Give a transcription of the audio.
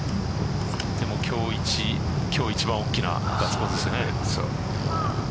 今日一番大きなガッツポーズでしたね。